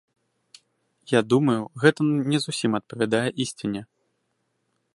Я думаю, гэта не зусім адпавядае ісціне.